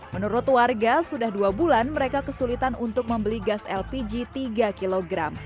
menurut warga sudah dua bulan mereka kesulitan untuk membeli gas lpg tiga kg